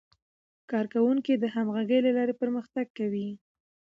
کارکوونکي د همغږۍ له لارې پرمختګ کوي